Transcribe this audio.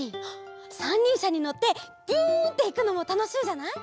しゃにのってビュンっていくのもたのしいじゃない？